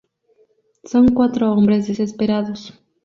Son cuatro hombres desesperados.